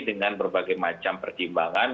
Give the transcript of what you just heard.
dengan berbagai macam percimbangan